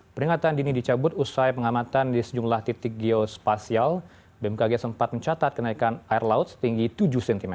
peringatan dini dicabut usai pengamatan di sejumlah titik geospasial bmkg sempat mencatat kenaikan air laut setinggi tujuh cm